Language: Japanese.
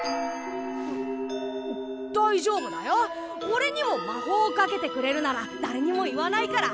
おれにも魔法をかけてくれるならだれにも言わないから。